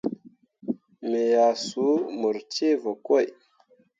Me yak suu mur ceevǝkoi.